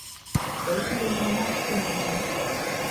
Ekira ennamu okutambula.